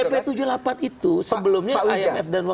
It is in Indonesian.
pp tujuh puluh delapan itu sebelumnya anf dan bank dunia